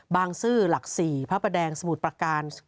บางซื้อหลักศรีพระประแดงสมุทรประการ